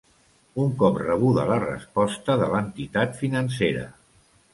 Un cop rebuda la resposta de l'entitat financera.